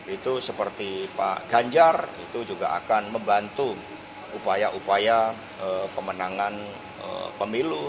itu seperti pak ganjar itu juga akan membantu upaya upaya pemenangan pemilu